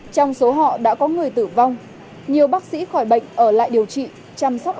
trong số họ đã có người tử vong nhiều bác sĩ khỏi bệnh ở lại điều trị chăm sóc